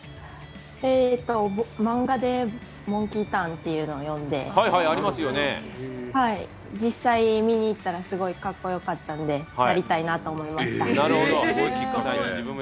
漫画で「モンキーターン」っていうのを読んで、実際見に行ったら、すごいかっこよかったんでなりたいなと思いました。